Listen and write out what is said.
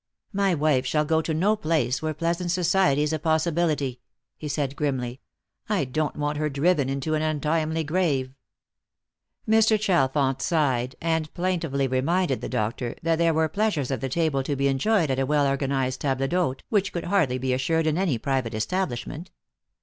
"My wife shall go to no place where pleasant society is a possibility," he said grimly. " I don't want her driven into an untimely grave." Lost for Love. 311 Mr. Chalfont sighed, and plaintively reminded the doctor that there were pleasures of the table to be enjoyed at a well organised table d'hute, which could hai'dly be assured in any private establishment.